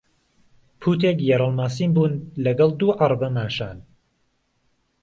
پووتێک یهرهڵماسیم بوون لهگهڵ دوو عهڕبه ماشان